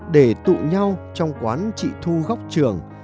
để tụ nhau trong quán chị thu góc trường